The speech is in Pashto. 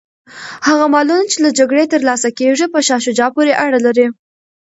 هغه مالونه چي له جګړې ترلاسه کیږي په شاه شجاع پوري اړه لري.